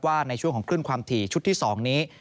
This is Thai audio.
ในช่วงของคลื่นความถี่ชุดที่๒นี้